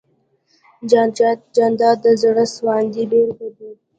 جانداد د زړه سواندۍ بېلګه ده.